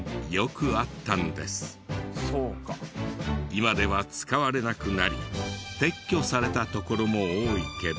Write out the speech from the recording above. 今では使われなくなり撤去された所も多いけど。